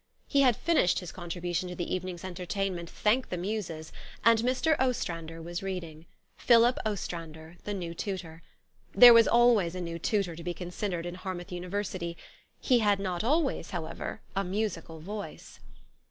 He had finished his contri bution to the evening's entertainment, thank the Muses! and Mr. Ostrander was reading, Philip Ostrander, the new tutor. There was always a new tutor to be considered in Harmouth University : he had not always, however, a musical voice.